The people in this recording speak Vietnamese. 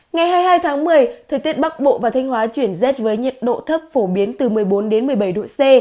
ngày hai mươi hai tháng một mươi thời tiết bắc bộ và thanh hóa chuyển rét với nhiệt độ thấp phổ biến từ một mươi bốn đến một mươi bảy độ c